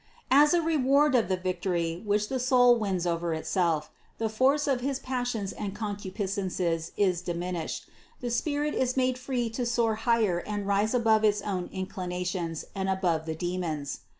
As a reward of the victory, which the soul wins over itself, the force THE CONCEPTION 323 of his passions and concupiscences is diminished, the spirit is made free to soar higher and rise above its own inclinations and above the demons.